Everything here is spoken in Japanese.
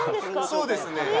そうですねえ